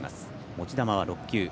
持ち球、６球。